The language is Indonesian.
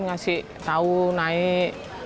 ngasih tau naik